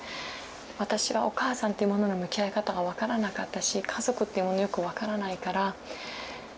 私がお母さんっていうものの向き合い方が分からなかったし家族っていうものよく分からないから。